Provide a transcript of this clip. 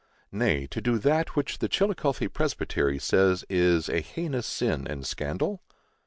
Nay, to do that which the Chillicothe Presbytery says "is a heinous sin and scandal"?